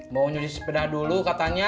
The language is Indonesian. mau nyuci sepeda dulu katanya